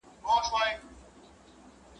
چي نر ئې په چارښاخو راوړي، ښځه ئې په جارو کي وړي.